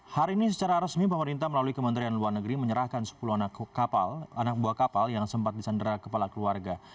hari ini secara resmi pemerintah melalui kementerian luar negeri menyerahkan sepuluh anak kapal anak buah kapal yang sempat disandera kepala keluarga